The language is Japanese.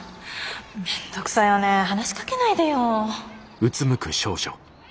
めんどくさいわね話しかけないでよ。